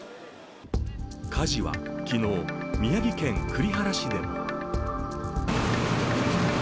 火事は昨日、宮城県栗原市でも。